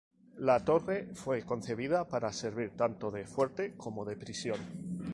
La torre fue concebida para servir tanto de fuerte como de prisión.